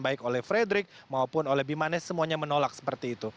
baik oleh frederick maupun oleh bimanes semuanya menolak seperti itu